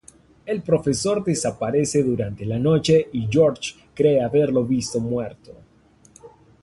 El profesor desaparece durante la noche y George cree haberlo visto muerto.